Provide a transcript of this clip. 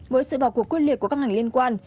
với sự vào cuộc quyết liệt của các ngành liên quan